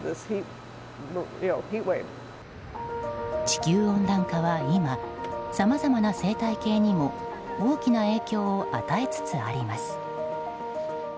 地球温暖化は今さまざまな生態系にも大きな影響を与えつつあります。